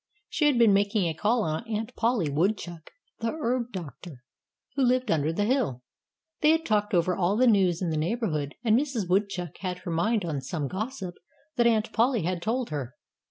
She had been making a call on Aunt Polly Woodchuck, the herb doctor, who lived under the hill. They had talked over all the news in the neighborhood. And Mrs. Woodchuck had her mind on some gossip that Aunt Polly had told her.